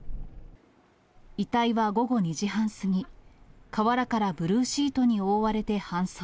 遺体は午後２時半過ぎ、河原からブルーシートに覆われて搬送。